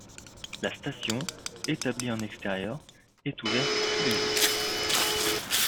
La station, établie en extérieur, est ouverte tous les jours.